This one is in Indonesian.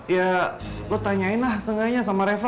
ya lo tanyain lah sengaja sama reva